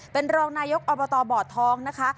เป็นรองนายกอบตบ่อท้องนะคะ